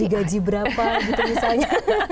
digaji berapa gitu misalnya